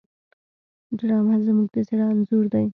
ډرامه زموږ د زړه انځور دی